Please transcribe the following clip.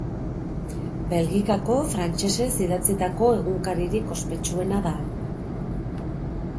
Belgikako frantsesez idatzitako egunkaririk ospetsuena da.